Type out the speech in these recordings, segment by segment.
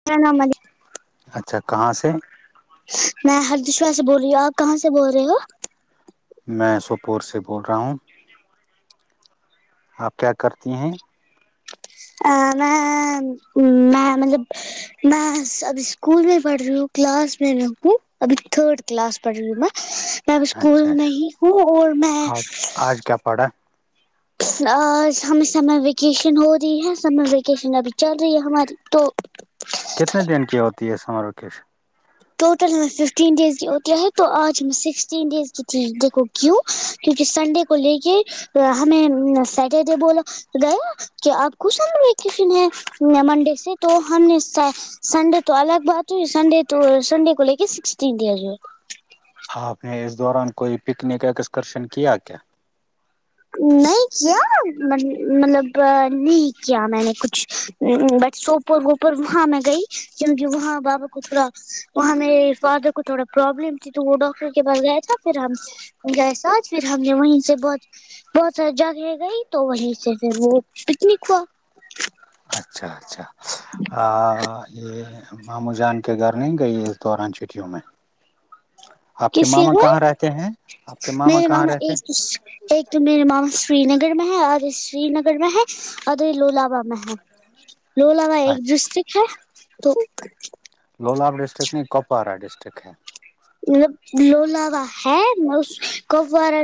[inaudible] اچھا کہاں سے میں ہردشوا سے بول رہی ہوں آپ کہاں سے بول رہے ہو میں سوپور سے بول رہا ہوں آپ کیا کرتی ہیں ا میں میں مطلب م ابھی اسکول میں پڑھ رہی ہوں کلاس میں رہ ہوں ابھی تھرڈ کلاس پڑھ رہی ہوں میں میں اچھا اسکول نہیں ہوں اور میں کیاپڑا آج ہمیں سمر ویکیشن ہو رہی ہے سمر ویکیشن ابھی چل رہی ہے ہماری تو کتنے دن کی ہوتی ہے سمر ووکیشن ٹوٹل میں ففٹین ڈیز کی ہوتی ہے تو آج میں سکسٹین ڈیز کی تی دیکو کیوں کیونکی سنڈے کو لے کے ہمیں سٹرڈے بولو گیا کہ آپ کشن ویکیشن ہے منڈے سے تو ہم نے سنڈے تو الگ بات ہوئی سنڈے تو سنڈے کو لے کے سکسٹی ڈیز ہوے آپ نے اس دوران کوئی پکنک ایکسکرشن کیا کیا نہیں کیا مطلب نہیں کیا میں نے کچھ بٹ سوپور وپور وہاں میں گئی کیونکی وہاں بابا کو تھوڈا وہ ہمیرے فادر کو تھوڑا پروابلم تھی تو وہ ڈاکٹر کے پاس گیا تھا فیر ہم جیسا فیر ہم نے وہیں سے بہت بہت ساری جگہ گئی تو وہیں سے فیر وہ پکنک ہوا اچھا اچھا آ یے ماموں جان کے گر نہیں گئی اس دوران چٹیوں میں آپ کے کس ماما کہاں گھر رہتے ہیں آپ کے ماما میرے کہاں رہتے ہیں ایک ایک تو میرے ماما سری نگر میں ہے سری نگر میں ہے دوے لولاوالا میں ہے لولاوا ایک اچھا ڈسٹرک ہے تو لولاپ ڈسٹرکٹ نہیں کپوارا ڈسٹرک ہے مطلب لولاوا ہے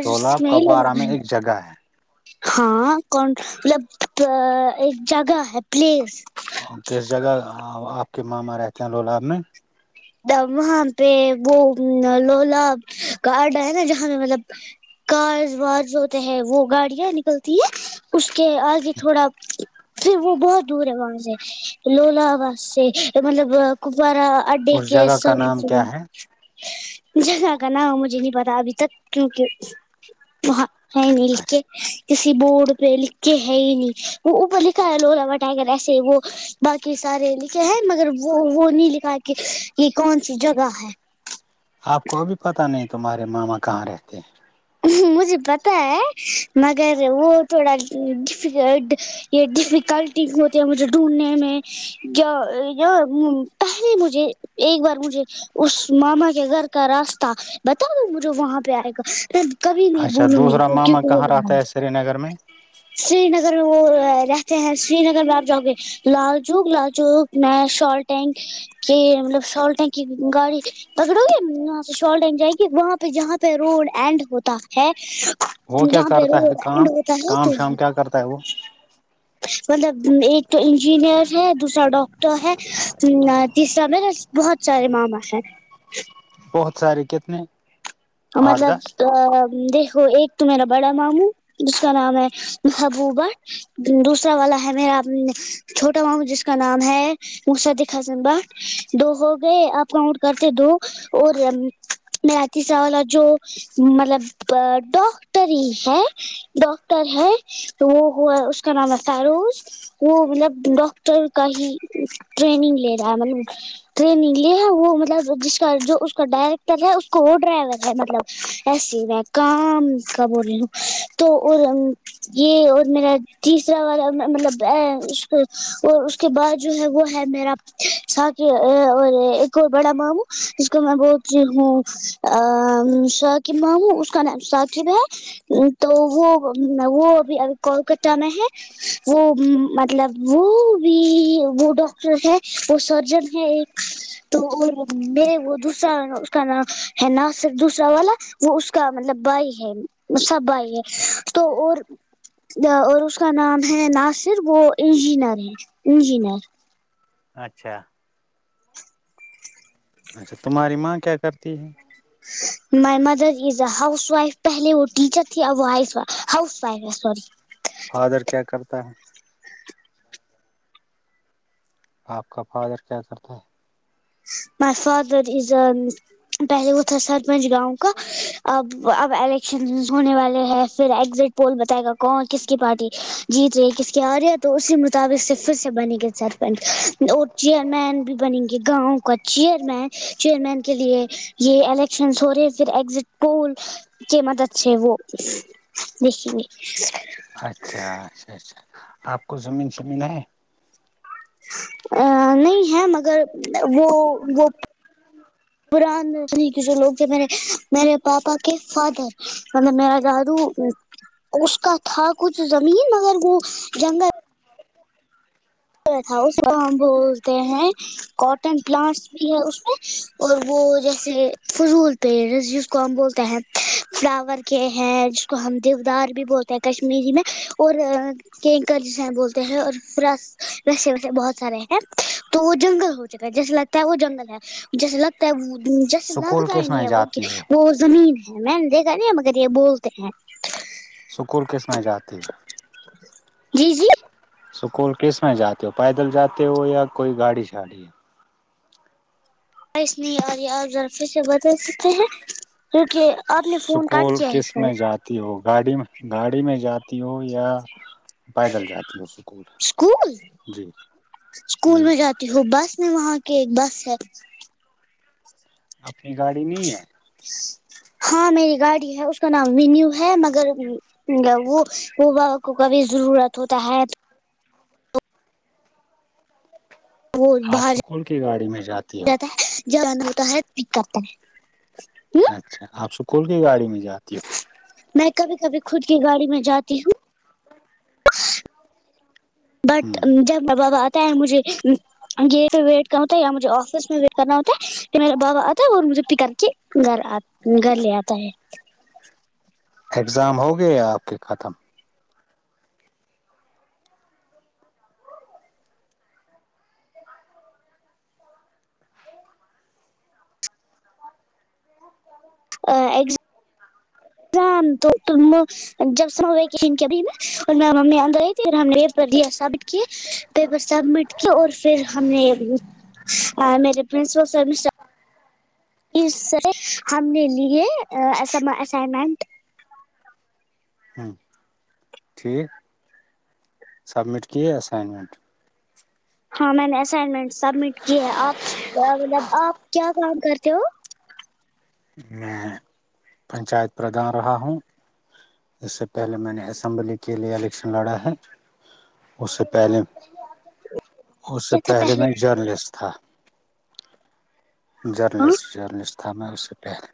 لولاب کپوارہ میں ایک جگہ [unintelligible] ہاں کون مطلب ایک جگہ ہے پلیس ہے کس جگہ آپ کے ماما رہتے ہیں لولااب میں وہاں پے وہ لولا گارڈ ہے نا جہاں پے مطلب کارز وارز جو ہوتے ہیں وہ گاڑیاں نکلتی ہے اس کے آگے تھوڑا پھر وہ بہت دور ہے وہاں سے لولاوا سے مطلب کپارا اڈے اس کے جگہ کا نام سامنے کیا ہے جگہ کا نام مجھے نہیں پتا ابھی تک کیونکہ وہاں ہے مل کے اچھا کسی بورڈ پے لکھ کے ہے ہی نہیں وہ اوپر لکھا ہے لولاوا ٹگر ایسے وہ باقی سارے لکھے ہیں مگر وہ وہ نہیں لکھا کی یے کون سی جگہ ہے آپ کو بھی پتا نہیں تمہارے ماما کہاں رہتے ہیں مجھے پتا ہے مگر وہ تھوڑا ڈفیکلٹ یے ڈیفیکلٹی ہوتی ہے مجھے ڈھونڈنے میں جو جو پہلے مجھے ایک بار مجھے اس ماما کے گھر کا راستہ بتا دو مجھے وہاں پے آئے گا کبھی نہیں اچھا بولوں گی دوسرا فیر ماما کہاں رہتا ہے سری نگر میں سری نگر میں وہ رہتے ہیں سری نگر میں آپ جاؤ گے لال جک لال جک میں شال ٹینک کے مطلب شال ٹینک کی گاڑی پکڑو گے وہاں پے شال ٹینک جائیں گے وہاں پے جہاں پے روڈ اینڈ ہوتا ہے وہ کیا جہاں پے کرتا روڑ ہے اینڈ کام ہوتا ہے کام تو شام کیا کرتا ہے وہ مطلب ایک تو انجینئر ہے دوسرا ڈاکٹ تو ہے تیسرا میں بہت سارے ماما ہیں بہت سارے کتنے آٹھ مطلب دس دیکھو ایک تو میرا بڑا ماموں جس کا نام ہے محبوبہ دوسرا والا ہے میرا چھوٹا مامو جس کا نام ہے مصدق حسن با دو ہو گئے آپ کاؤٹ کرتے دو اور میرا تیسرا والا جو مطلب ڈاکٹر ہی ہے ڈاکٹر ہے وہ ہوا اس کا نام ہے ساروس وہ مطلب ڈاکٹر کا ہی ٹریننگ لے رہا ہے مطلب ٹریننگ لی ہے وہ مطلب جس کا جو اس کا ڈائریکٹر ہے اس کو ڈرائیور ہے مطلب ایسی و کام کا بول ری تو یہ اور میرا تیسرا والا مطلب اس اس کے بعد جو ہے وہ ہے میرا تھا کے اور ایک اور بڑا ماموں اس کو میں بہت ہی ہوں ا ثاقب مامو اس کا نام ثاقب ہے تو وہ وہ اب کولکتہ میں ہے وہ مطلب وہ بھی وہ ڈاکٹر ہے وہ سرجن ہے ایک تو میرے وہ دوسرا اس کا نام ہے ناصر دوسرا والا وہ اس کا مطلب بھائی ہے اس کا بھائی ہے تو اور اور اس کا نام ہے ناصر وہ انجینئر ہے انجینئر اچھا اچھا تمہاری ماں کیا کرتی ہے my mother is housewife پہلے وہ ٹیچر تھی اور ہایس وہ ہاؤس وائف ہے صوری فادر کیا کرتا ہے آپ کا فادر کیا کرتا ہے مائ فادر از پہلے وہ تھا سرپنچ گاؤں کا اب اب الیکشن ہونے والے ہیں پھر ایگزٹ پول بتائے گا کون کس کی پارٹی جیت رہی ہے کس کی آ رہی ہے تو اسی مطابق سے پھر سے بنیگی سر اور چیئرمین بھی بنےینگے کا چیئرمین چیئرمین کے لیے یہ الیکشنس ہو رہے پھر ایگزٹ پول کہ مدد سے وہ دیکھیں گے اچھا اچھا اچھا آپ کو زمین شمینا ہے ا نہیں ہے مگر وہ وہ پران رنی کے جو لوگ تھ میرے میرے پاپا کے فادر مطلب میرا دادو اس کا تھا کچھ زمین مگر وہ جنگل تھا اس کو ہم بولتے ہیں کاٹن پلانٹس بھی ہے اس میں اور وہ جیسے فضول پیز جس کو ہم بولتے ہیں فلاور کے ہیں جس کو ہم دیودار بھی بولتے ہیں کشمیری میں اور کئی جیسے ہے بولتے ہیں اور پورا ویسے ویسے بہت سارے ہیں تو وہ جنگل ہوچک ہے جیسے لگتا ہے وہ جنگل ہے جیسے لگتا ہے وہ جیسے سکول لگتا ہی کس نہیں میں ہے وہ کہ جاتی ہو وہ زمین میں نے دیکھا نہیں مگر یہ بولتے ہیں اسکول کس میں جاتی ہے جی جی اسکول کس میں جاتے ہو پیدل جاتے ہو یا کوئی گاڑی شھاڑی ہے اور یہ اور ذرفیش سے بدل سکتے ہیں کیونکہ آپ نے فون کاٹ سکول کیا ہے کس میں ف جاتی ہو گاڑی میں گاڑی میں جاتا ہو یا پیدل جاتی ہو اسکول اسکول جی اسکول جی میں جی جاتی ہوں بس میں وہاں کے ایک بس ہے اپنی گاڑی نہیں ہے ہاں میری گاڑی ہے اس کا نام وینیو ہے مگر وہ وہ بابا کو کبھی ضرورت ہوتا ہے وہ آپ باہر سکول کی گاڑی میں جاتی ہو جاتا ہے جوان ہوتا ہے ٹھیک کرتا ہے ہوں اچھا آپ اسکول کی گاڑی میں جاتی ہو میں کبھی کبھی خود کی گاڑی میں جاتی ہوں ہ بٹ جب مذا آتا ہے مجھے گیٹ پ ویٹ کرنا ہوتا ہے یا مجھے آفس میں ویٹ کرنا ہوتا ہے کہ میرا بابا آتا ہے اور مجھے پکاپ کر کے گھر آتا گھر لتا ہے اگزام ہو گیا آپ کے ختم ا ایکس جان تو تو م جب سم ہو گئے کہ ان کبھی میں اور م ممی آد گئی تھی اور ہم نے یہ پرری ثابت کیے پیپر سبمٹ کیا اور پھر ہم نے میرے پرنسپل سر اس سے ہم نے لیے اسنگ اسائنمنٹ ہ ٹھیک سبمٹ کیے اسائنمنٹ ہاں میں نے اسائنمنٹ سبمٹ کیے ہے آپ مطلب آپ کیا کام کرتے ہو میں پنچایت پردان رہا ہوں اس سے پہلے میں نے اسمبلی کے لیے الیکشن لڑا ہے اس سے پہلے اس سے کیا تھا پہلے میں جرنلسٹ تھا ہاں جرنلسٹ جرنلسٹ تھا میں اس سے پہلے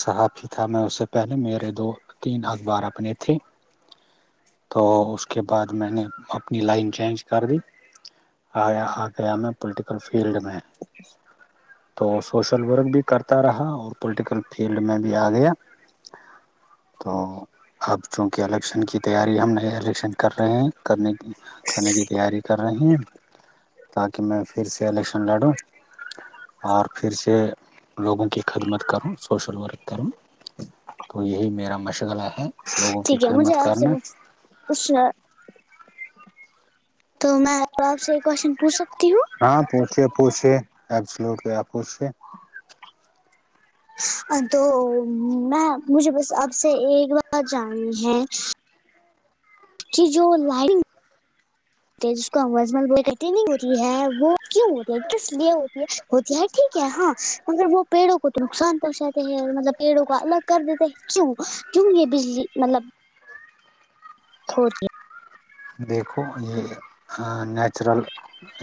صحافی تھا میں اس سے پہلے میرے دو تین اخبار اپنے تھے تو اس کے بعد میں نے اپنی لائن چینج کر دی آیا آ گیا میں پولیٹیکل فیلڈ میں تو سوشل ورک بھی کرتا رہا اور پولیٹیکل فیلڈ میں بھی آ گیا تو اب چونکہ الیکشن کی تیاری ہم نہیں الیکشن کر رہے ہیں کرنے کی کرنے کی تیاری کر رہے ہیں تاکہ میں پھر سے الیکشن لڑوں اور پھر سے لوگوں کی خدمت کروں سوشل ورک کروں تو یہی میرا مشغلہ ہے لوگوں کی ٹھیک ہے مجھے خدمت آپ کرنا سےچھنا تو میں آپ سے کوشچن پوچھ سکتی ہوں ہاں پوچھیے پوچھیے ابسولٹیلی آپ پوچھیے تو میں مجھے بس اب سے ایک بار جنی ہے کی جو لائن جس کو ازمل بو کٹ نہیں ہوتی ہے وہ کیوں ہوتی ہے کس لیے ہوتی ہے ہوتی ہے ٹھیک ہے ہاں مگر وہ پیڑوں کو تو نقصان پہنچاتے ہیں مطلب پیڑوں کو الگ کر دیتے کیوں کیوں یہ بجلی مطلب ہوتی دیکھو یہ ہاں نیچرل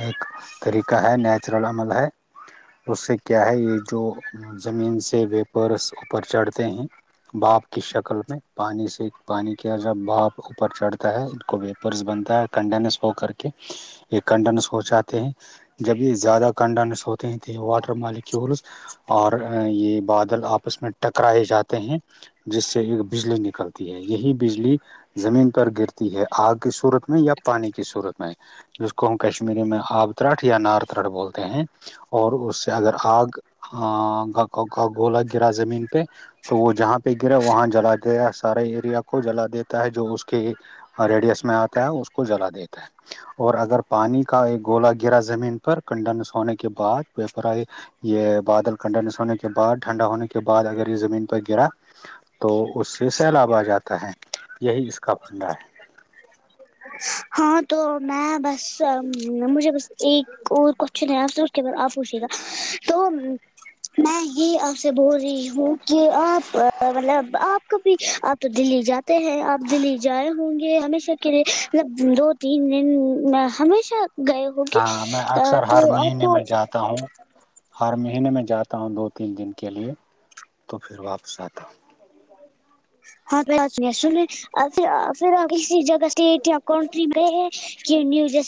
ایک طریقہ ہے نیچرل عمل ہے اس سے کیا ہے یہ جو زمین سے ویپرس اوپر چڑھتے ہیں بھاپ کی شکل میں پانی سے پانی کیا جب بھاپ اوپر چڑھتا ہے وائپرز بنتا ہے کنڈینس ہو کر کے یہ کنڈینس ہو چاتے ہیں جبھی زیادہ کنڈنس ہوتے تھے واٹر مالک کی اور یہ بادل آپس میں ٹکرائے جاتے ہیں جس سے ایک بجلی نکلتی ہے یہی بجلی زمین پر گرتی ہے آگ کی صورت میں یا پانی کی صورت میں جس کو ہم کشمیری میں آب ترٹ یا نار ترٹ بولتے ہیں اور اس سے اگر آگ آگ لگ اگ گولا گرا زمین پہ تو وہ جہاں پہ گرا وہاں جلا دیا سارے ایریا کو جلا دیتا ہے جو اس کے ریڈیس میں آتا ہے اس کو جلا دیتا ہے اور اگر پانی کا ایک گولا گرا زمین پر کنڈنس ہونے کے بعد یہ بادل کنڈینس ہونے کے بعد ٹھنڈا ہونے کے بعد اگر یہ زمین پر گرا تو اس سے سیلاب آ جاتا ہے یہی اس کا پنڈا ہے ہاں تو میں بس م مجھے بس ایک اور کیشن ہے اگر آپ پوشے گا تو میں ہی آپ سے بول رہی ہوں کہ آپ کا مطلب آپ کبھی اپ تو دلی جاتے ہیں آپ دلی جائے ہوں گے ہمیشہ کے لیے لب دو تین دن ہمیشہ گئے ہو اوکے ہاں میں اکثر ہر تو آپ مہینے کو میں جاتا ہوں ہر مہینے میں جاتا ہوں دو تین دن کے لیے تو پھر واپس آتا ہو ہاں پ سے [unintelligible] اونتے اپ پھر پھر اسی جگہ سے سٹیٹ کنٹری برے ہے کہ نیو جیسے